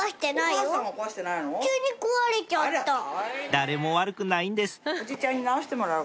誰も悪くないんです